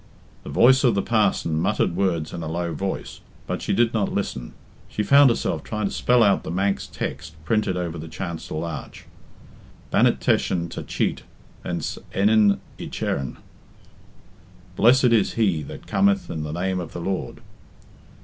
The voice of the parson muttered words in a low voice, but she did not listen. She found herself trying to spell out the Manx text printed over the chancel arch: "Bannet T'eshyn Ta Cheet ayns Ennyn y Chearn" ("Blessed is he that cometh in the name of the Lord").